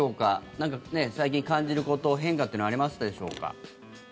何か、最近感じること変化というのはありますでしょうか。